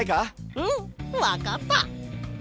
うんわかった！